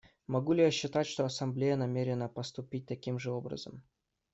Могу ли я считать, что Ассамблея намерена поступить таким же образом?